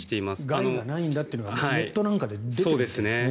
害がないんだっていうのがネットなんかで出ているんですよね。